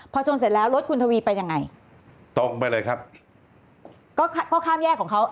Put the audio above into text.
พอชนเสร็จแล้วรถคุณทวีเป็นยังไงตรงไปเลยครับก็ก็ข้ามแยกของเขา